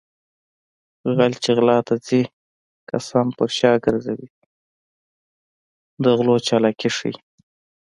غل چې غلا ته ځي قسم پر شا ګرځوي د غلو چالاکي ښيي